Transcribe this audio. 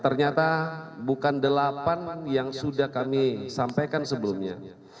ternyata bukan delapan yang sudah kami sampaikan sebelumnya